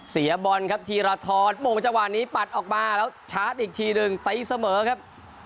เสียบอลครับธีรทรโมงจังหวะนี้ปัดออกมาแล้วชาร์จอีกทีหนึ่งตีเสมอครับ